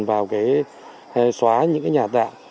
vào cái xóa những nhà tạ